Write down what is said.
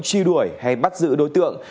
truy đuổi hay bắt giữ đối tượng